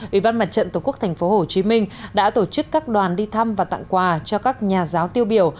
ủy ban mặt trận tổ quốc tp hcm đã tổ chức các đoàn đi thăm và tặng quà cho các nhà giáo tiêu biểu